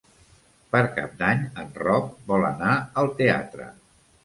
Per Cap d'Any en Roc vol anar al teatre.